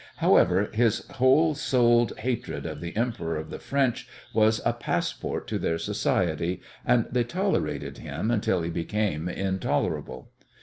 However, his whole souled hatred of the Emperor of the French was a passport to their society, and they tolerated him until he became intolerable.